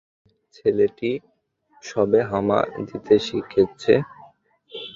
ছেলেটি সবে হামা দিতে শিখেছে।